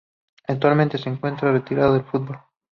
Actualmente se encuentra retirado del Fútbol.